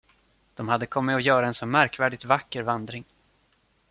De hade kommit att göra en så märkvärdigt vacker vandring.